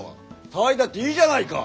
騒いだっていいじゃないか。